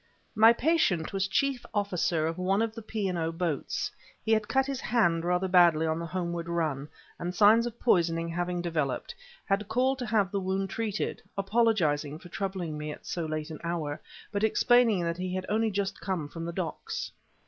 My patient was chief officer of one of the P. and O. boats. He had cut his hand rather badly on the homeward run, and signs of poisoning having developed, had called to have the wound treated, apologizing for troubling me at so late an hour, but explaining that he had only just come from the docks.